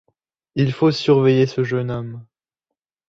Il faut surveiller ce jeune homme.